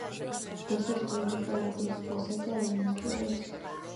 ესაზღვრება კარიბის ზღვასა და ვენესუელას.